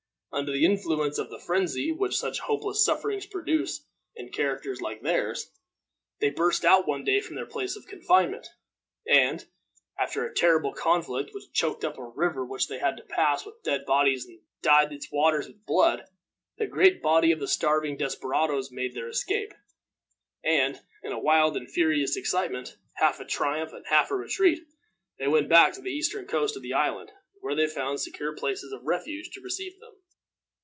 Under the influence of the phrensy which such hopeless sufferings produce in characters like theirs, they burst out one day from the place of their confinement, and, after a terrible conflict, which choked up a river which they had to pass with dead bodies and dyed its waters with blood, the great body of the starving desperadoes made their escape, and, in a wild and furious excitement, half a triumph and half a retreat, they went back to the eastern coast of the island, where they found secure places of refuge to receive them.